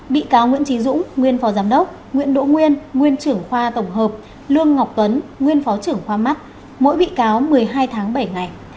bị cáo nguyễn trí dũng nguyên phó giám đốc nguyễn đỗ nguyên nguyên trưởng khoa tổng hợp lương ngọc tuấn nguyên phó trưởng khoa mắt mỗi bị cáo một mươi hai tháng bảy ngày